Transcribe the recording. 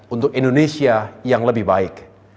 untuk indonesia yang lebih baik